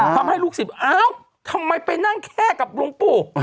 ทำให้ลูกศิษย์อ้าวทำไมไปนั่งแค่กับหลวงปู่